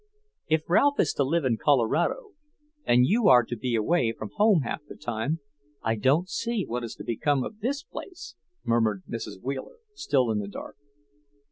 "If Ralph is to live in Colorado, and you are to be away from home half of the time, I don't see what is to become of this place," murmured Mrs. Wheeler, still in the dark.